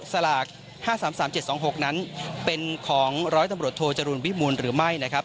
สลากห้าสามสามเจ็ดสองหกนั้นเป็นของร้อยตำลดโทรจรุลวิมูลหรือไม่นะครับ